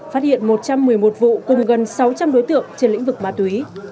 phát hiện một trăm một mươi một vụ cùng gần sáu trăm linh đối tượng trên lĩnh vực ma túy